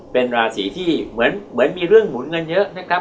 เป็นราศีที่เหมือนมีเรื่องหมุนเงินเยอะนะครับ